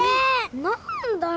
なんだよ？